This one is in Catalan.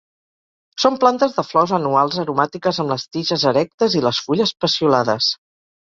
Són plantes de flors anuals, aromàtiques amb les tiges erectes i les fulles peciolades.